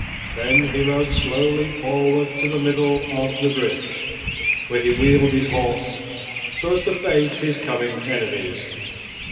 Then he rode slowly forward to the middle of the bridge, where he wheeled his horse so as to face his coming enemies.